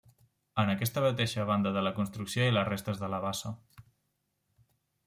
En aquesta mateixa banda de la construcció hi ha les restes de la bassa.